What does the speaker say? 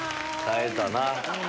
耐えたな。